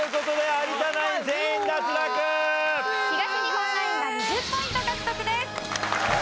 東日本ナインが２０ポイント獲得です。